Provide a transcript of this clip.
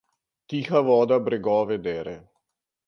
Tiha voda bregove dere.